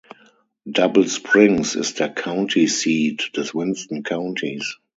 Double Springs ist der County Seat des Winston Countys.